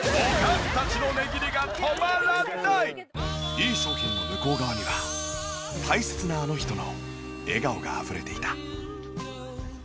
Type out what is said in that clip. いい商品の向こう側には大切なあの人の笑顔があふれていた。